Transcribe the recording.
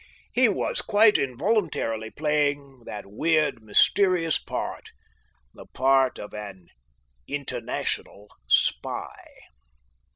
He was quite involuntarily playing that weird mysterious part the part of an International Spy.